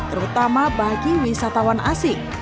terutama bagi wisatawan asing